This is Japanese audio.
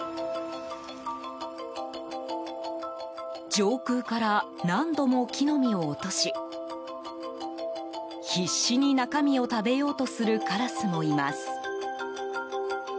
上空から何度も木の実を落とし必死に中身を食べようとするカラスもいます。